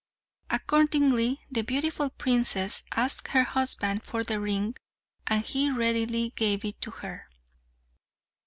Accordingly the beautiful princess asked her husband for the ring, and he readily gave it to her.